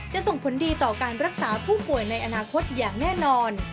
จะส่งผลดีต่อการรักษาผู้ป่วยในอนาคตอย่างแน่นอน